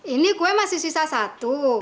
ini kue masih sisa satu